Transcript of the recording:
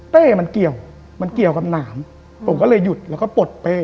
เต้มันเกี่ยวมันเกี่ยวกับหนามผมก็เลยหยุดแล้วก็ปลดเป้